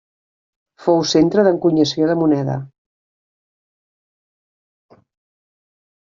Fou centre d'encunyació de moneda.